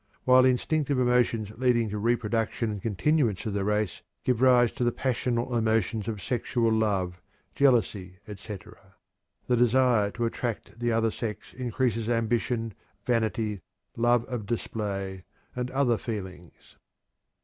while the instinctive emotions leading to reproduction and continuance of the race give rise to the passional emotions of sexual love, jealousy, etc. The desire to attract the other sex increases ambition, vanity, love of display, and other feelings.